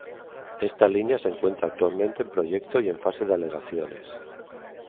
Esta línea se encuentra actualmente en proyecto y en fase de alegaciones.